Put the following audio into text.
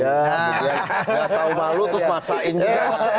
gak tahu malu terus maksain juga